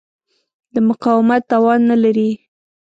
د مقاومت توان نه لري.